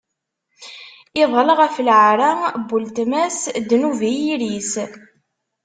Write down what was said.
Iḍall ɣef leɛra n weltma-s: ddnub i yiri-s.